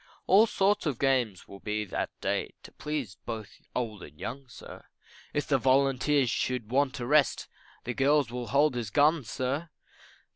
All sorts of games will be that day, To please both old and young, sir; If the volunteers should want a rest, The girls will hold his gun, sir.